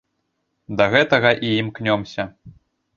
Да гэтага і імкнёмся.